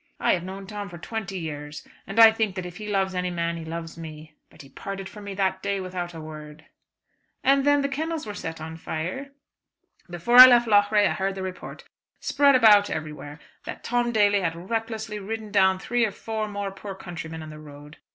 I have known Tom for twenty years, and I think that if he loves any man he loves me. But he parted from me that day without a word." "And then the kennels were set on fire?" "Before I left Loughrea I heard the report, spread about everywhere, that Tom Daly had recklessly ridden down three or four more poor countrymen on the road.